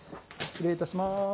失礼いたします。